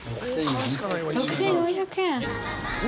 ６，４００円。